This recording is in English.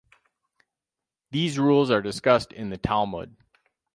These rules are discussed in the Talmud.